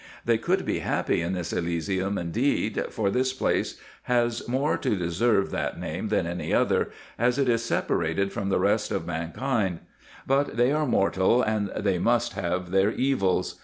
They could be happy in this Elysium, indeed, for this place has more to deserve that name than any other, as it is separated from the rest of man kind; but they are mortal, and they must have their evils.